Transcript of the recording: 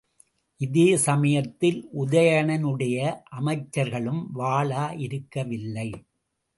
இதே சமயத்தில் உதயணனுடைய அமைச்சர்களும் வாளா இருக்கவில்லை!